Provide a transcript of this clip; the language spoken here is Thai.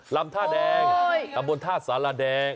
ลำท่าแดงตำบลท่าสารแดง